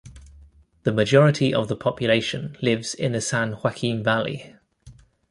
The majority of the population lives in the San Joaquin Valley.